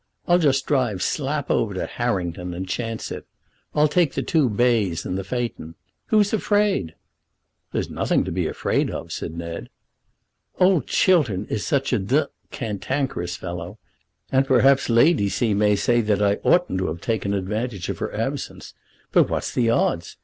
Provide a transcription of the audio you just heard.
I'll just drive slap over to Harrington and chance it. I'll take the two bays in the phaeton. Who's afraid?" "There's nothing to be afraid of," said Ned. "Old Chiltern is such a d cantankerous fellow, and perhaps Lady C. may say that I oughtn't to have taken advantage of her absence. But, what's the odds?